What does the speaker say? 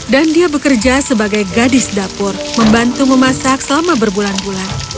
dan dia bekerja sebagai gadis dapur membantu memasak selama berbulan bulan